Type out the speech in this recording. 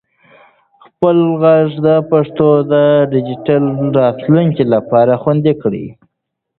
خپل ږغ د پښتو د ډیجیټل راتلونکي لپاره خوندي کړئ.